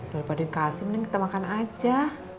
daripada yang kasih mending kita makan aja